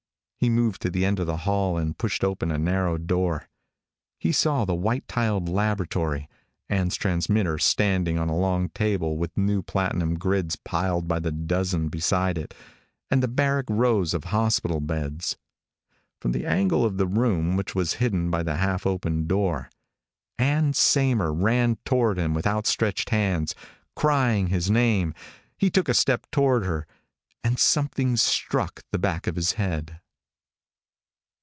He moved to the end of the hall and pushed open a narrow door. He saw the white tiled laboratory, Ann's transmitter standing on a long table with new platinum grids piled by the dozen beside it, and the barrack rows of hospital beds. From the angle of the room which was hidden by the half open door, Ann Saymer ran toward him with outstretched hands, crying his name. He took a step toward her. And something struck the back of his head.